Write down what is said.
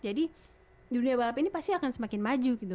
jadi dunia balap ini pasti akan semakin maju gitu